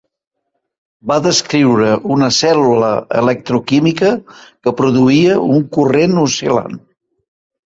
Va descriure una cèl·lula electroquímica que produïa un corrent oscil·lant.